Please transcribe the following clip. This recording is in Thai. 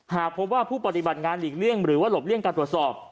หากพบว่าผู้ปฏิบัติงานหลีกเลี่ยงหรือว่าหลบเลี่ยงการตรวจสอบ